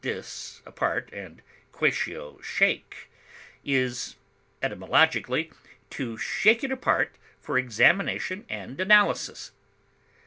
dis, apart, and quatio, shake) is, etymologically, to shake it apart for examination and analysis.